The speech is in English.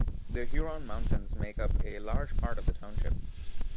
The Huron Mountains make up a large part of the township.